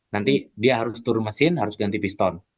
nanti dia harus turun mesin harus ganti piston